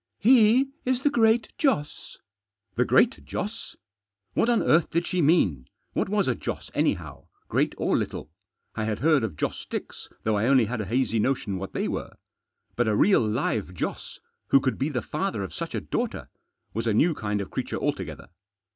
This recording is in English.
" He is the Great Joss." "The Great Joss?" What on earth did she mean ? What was a Joss, anyhow, great or little? I had heard of joss sticks, though I only had a hazy notion what they were. ".But a real live Joss, who could be the father of such a "daughter, was a new kind of creature altogether.